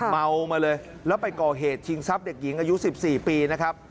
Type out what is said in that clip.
เมามาเลยแล้วไปก่อเหตุชิงทรัพย์เด็กหญิงอายุ๑๔ปีนะครับ